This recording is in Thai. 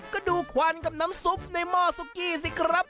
ก็ดูควันกับน้ำซุปในหม้อซุกี้สิครับ